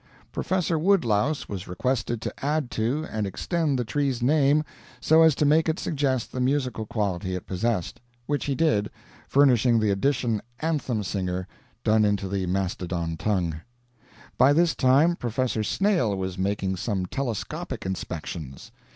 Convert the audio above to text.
Professor Woodlouse was requested to add to and extend the tree's name so as to make it suggest the musical quality it possessed which he did, furnishing the addition Anthem Singer, done into the Mastodon tongue. By this time Professor Snail was making some telescopic inspections.